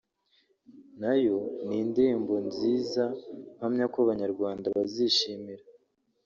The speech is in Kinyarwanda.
nayo ni indirimbo nziza mpamya ko abanyarwanda bazishimira